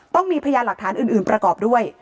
ต้องมีพยานหลักฐานอื่นประกอบด้วย